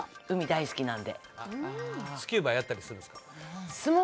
海大好きなんでスキューバやったりするんですか？